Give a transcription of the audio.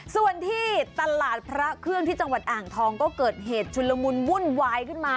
ส่วนที่ตลาดพระเครื่องที่จังหวัดอ่างทองก็เกิดเหตุชุนละมุนวุ่นวายขึ้นมา